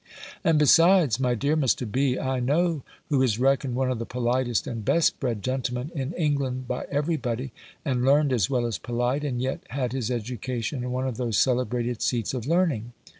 And besides, my dear Mr. B., I know who is reckoned one of the politest and best bred gentlemen in England by every body, and learned as well as polite, and yet had his education in one of those celebrated seats of learning.